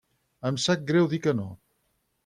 Em sap greu dir que no.